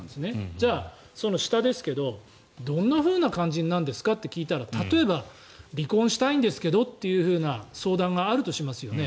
じゃあ、その下ですけどどんなふうな感じになるんですか？と聞いたら例えば離婚したいんですけどっていう相談があるとしますよね。